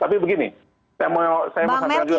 tapi begini saya mau saya mau sampaikan juga